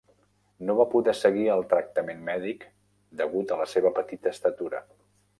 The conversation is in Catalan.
No va poder seguir el tractament mèdic degut a la seva petita estatura.